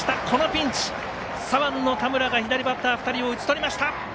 このピンチ、左腕の田村が左バッター２人を打ち取りました。